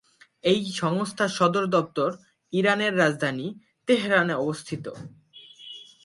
এই সংস্থার সদর দপ্তর ইরানের রাজধানী তেহরানে অবস্থিত।